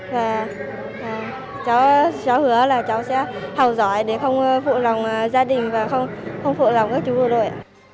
và cháu hứa là cháu sẽ học giỏi để không phụ lòng gia đình và không phụ lòng các chú bộ đội